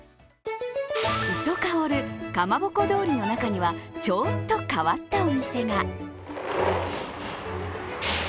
磯香るかまぼこ通りの中にはちょっと変わったお店が。